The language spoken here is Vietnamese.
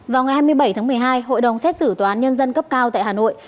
vào ngày hai mươi bảy tháng một mươi hai hội đồng xét xử tòa án nhân dân cấp cao tại hà nội